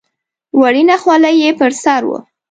وړینه خولۍ یې پر سر وه.